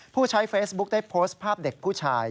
ผู้ใช้เฟซบุ๊คได้โพสต์ภาพเด็กผู้ชาย